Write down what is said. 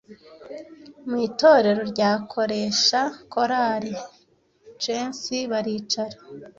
Mw'itorero ryakoresha Korali Chance baricara